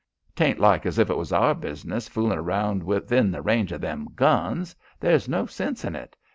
'Tain't like as if it was our business, foolin' 'round within the range of them guns. There's no sense in it.